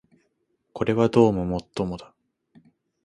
これはどうも尤もだ